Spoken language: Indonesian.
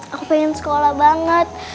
aku pengen sekolah banget